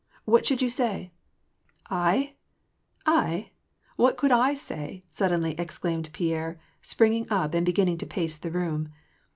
What should you say ?"" I ? I ? What could I say ?" suddenly exclaimed Pierre, springing up and beginning to pace the room.